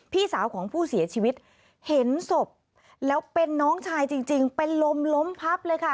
พี่สาวของผู้เสียชีวิตเห็นศพแล้วเป็นน้องชายจริงเป็นลมล้มพับเลยค่ะ